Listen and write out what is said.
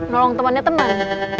nolong temannya teman